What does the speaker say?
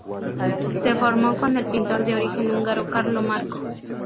Se formó con el pintor de origen húngaro Carlo Marko.